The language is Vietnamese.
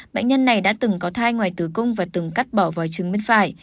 bệnh nhân này đã từng có thai ngoài tử cung và từng cắt bỏ vòi trừng bên phải